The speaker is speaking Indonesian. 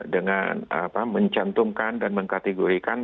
dengan mencantumkan dan mengkategorikan